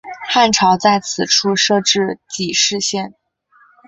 汉朝在此处设置己氏县。